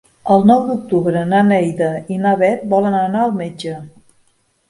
El nou d'octubre na Neida i na Bet volen anar al metge.